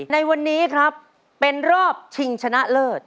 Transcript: ในวันนี้ครับเป็นรอบชิงชนะเลิศ